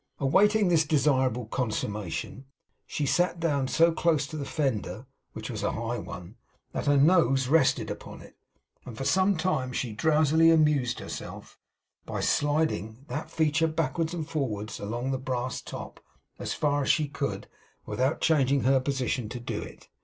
Awaiting this desirable consummation, she sat down so close to the fender (which was a high one) that her nose rested upon it; and for some time she drowsily amused herself by sliding that feature backwards and forwards along the brass top, as far as she could, without changing her position to do it.